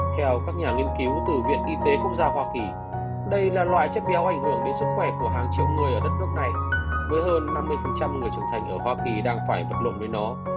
theo các nhà nghiên cứu từ viện y tế quốc gia hoa kỳ đây là loại chất béo ảnh hưởng đến sức khỏe của hàng triệu người ở đất nước này với hơn năm mươi người trưởng thành ở hoa kỳ đang phải vật lộn với nó